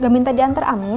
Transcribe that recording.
gak minta aku mau ke rumah